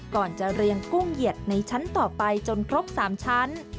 ก่อนจะเรียงกุ้งเหยียดในชั้นต่อไปจนครบ๓ชั้น